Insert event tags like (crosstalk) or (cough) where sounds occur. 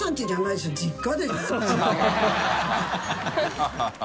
ハハハ (laughs)